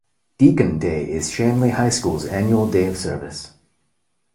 Deacon Day is Shanley High School's annual day of service.